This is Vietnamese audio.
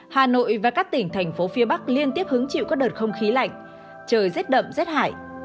hà nội và các tỉnh thành phố phía bắc liên tiếp hứng chịu các đợt không khí lạnh trời rét đậm rét hại